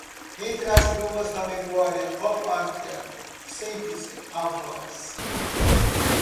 Entre as brumas da memória, oh, pátria, sente-se a voz